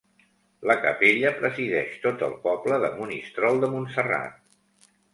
La capella presideix tot el poble de Monistrol de Montserrat.